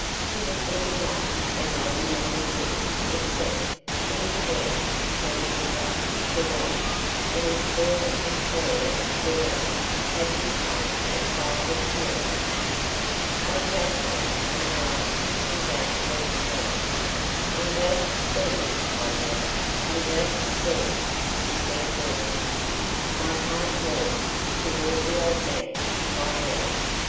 He was looking much as I remembered him except that his hair had turned from black to white, and his former imperious bearing had become a trifle querulous. I jumped out and grasped his outstretched hand. "I'm glad to see you, my boy! I'm glad to see you," he said cordially. My heart warmed toward the old man's "my boy."